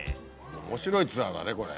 面白いツアーだねこれ。